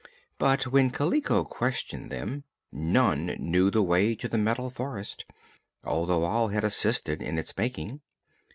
But, when Kaliko questioned them, none knew the way to the Metal Forest, although all had assisted in its making.